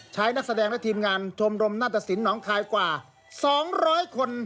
ใช้นักแสดงและทีมงานชมรมนาฏศิลป์หนองคายกว่า๒๐๐คน